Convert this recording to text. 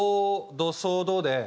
「ド」「ソ」「ド」で。